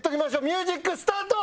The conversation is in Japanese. ミュージックスタート！